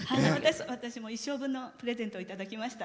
私も一生分のプレゼントをいただきました。